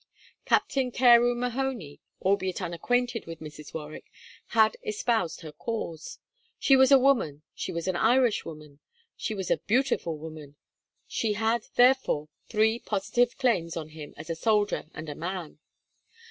Captain Carew Mahony, albeit unacquainted with Mrs. Warwick, had espoused her cause. She was a woman, she was an Irishwoman, she was a beautiful woman. She had, therefore, three positive claims on him as a soldier and a man.